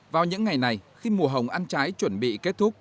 vào những ngày này khi mùa hồng ăn trái chuẩn bị kết thúc